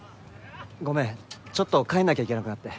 ごめんちょっと帰んなきゃいけなくなって。